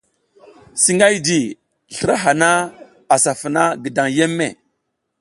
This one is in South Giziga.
Singihay, slra hana asa funa gidan yeme.